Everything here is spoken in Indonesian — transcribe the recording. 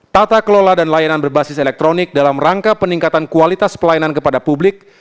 tata kelola dan layanan berbasis elektronik dalam rangka peningkatan kualitas pelayanan kepada publik